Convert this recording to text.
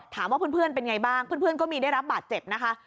ถามว่าเพื่อนเป็นไงบ้างเพื่อนก็มีได้รับบาดเจ็บนะคะ